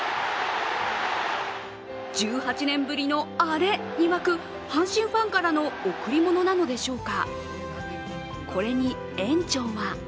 １８年ぶりのアレに沸く阪神ファンからの贈り物なのでしょうか。